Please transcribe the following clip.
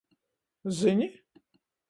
Zini?